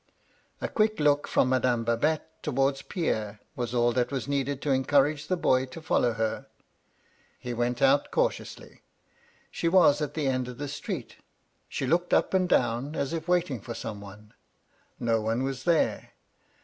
"A quick look from Madame Babette towards Pierre was all that was needed to encourage the boy to follow her. He went out cautiously. She was at the end of the street. She looked up and down, as if waiting for some one. No one was there.